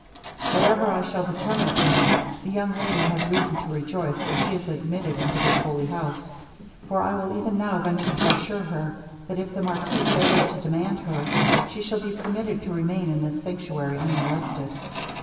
'Whatever I shall determine upon, the young lady has reason to rejoice that she is admitted into this holy house; for I will even now venture to assure her, that if the marquis fails to demand her, she shall be permitted to remain in this sanctuary unmolested.